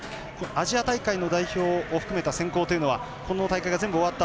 アジア大会を含めた代表を含めた選考というのはこの大会がすべて終わった